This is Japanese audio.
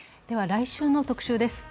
来週の特集です。